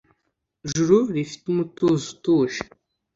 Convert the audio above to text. juru rifite umutuzo utuje,